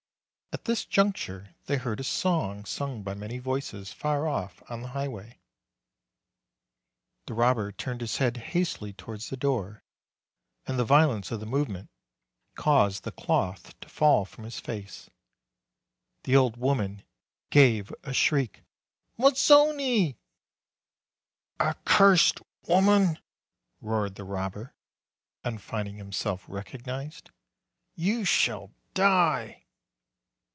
At this juncture, they heard a song sung by many voices far off on the highway. The robber turned his head hastily towards the door, and the violence of the movement caused the cloth to fall from his face. SEARCHING THE CUPBOARD BLOOD OF ROMAGNA 195 The old woman gave a shriek; "Mozzoni!" "Accursed woman," roared the robber, on finding himself recognized, "you shall die!"